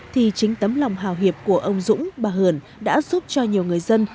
thì chính tấm lòng hào hiệp của ông dũng bà hường đã giúp cho nhiều người dân